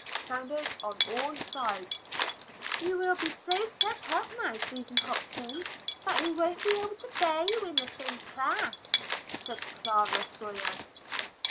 sounded on all sides. "You will be so set up now, Susan Hopkins, that we won't be able to bear you in the same class," said Clara Sawyer.